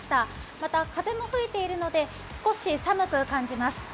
また、風も吹いているので少し寒く感じます。